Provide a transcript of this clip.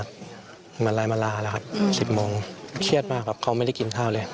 เหมือนไลน์มาลาแล้วครับ๑๐โมงเครียดมากครับเขาไม่ได้กินข้าวเลย